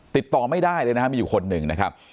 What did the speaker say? ติดต่อไม่ได้เลยนะครับมีอยู่คนหนึ่งนะครับ